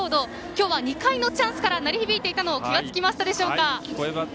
今日は２回のチャンスから鳴り響いていたのを気が付きましたでしょうか。